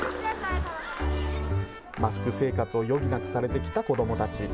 マスク生活を余儀なくされてきた子どもたち。